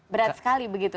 berat sekali begitu